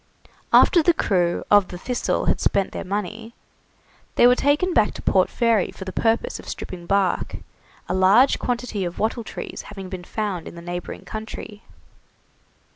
After the crew of the 'Thistle' had spent their money, they were taken back to Port Fairy for the purpose of stripping bark, a large quantity of wattle trees having been found in the neighbouring country.